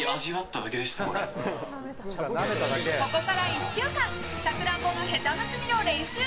ここから１週間さくらんぼのヘタ結びを練習。